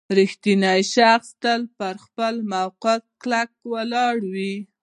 • رښتینی شخص تل پر خپل موقف کلک ولاړ وي.